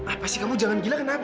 apa sih kamu jangan gila kenapa